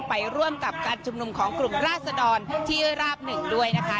ไปร่วมกับการชุมนุมของกลุ่มราศดรที่ราบหนึ่งด้วยนะคะ